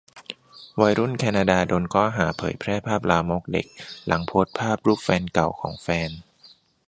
วัยรุ่นแคนาดาโดนข้อหาเผยแพร่ภาพลามกเด็กหลังโพสต์รูปแฟนเก่าของแฟน